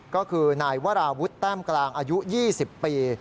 ก็คือนายวราวุฒิแต้มกลางอายุ๒๐ปี